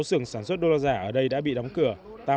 sáu xưởng sản xuất đô la giả ở đây đã bị đóng cửa